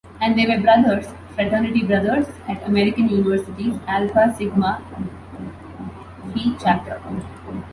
And they were brothers - fraternity brothers- at American University's Alpha Sigma Phi chapter.